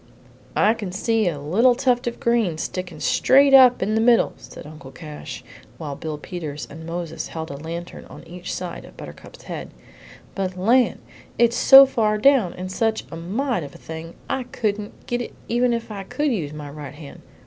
"I can see a little tuft of green sticking straight up in the middle," said Uncle Cash, while Bill Peters and Moses held a lantern on each side of Buttercup's head; "but, land! It's so far down, and such a mite of a thing, I couldn't git it, even if I could use my right hand.